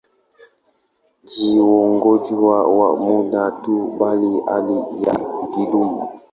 Si ugonjwa wa muda tu, bali hali ya kudumu.